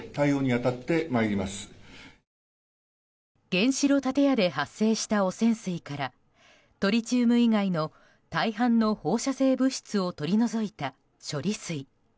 原子炉建屋で発生した汚染水からトリチウム以外の大半の放射性物質を取り除いた処理水。